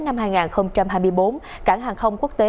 năm hai nghìn hai mươi bốn cảng hàng không quốc tế